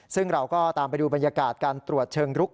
ซึ่งเราก็ตามไปดูบรรยากาศการตรวจเชิงรุก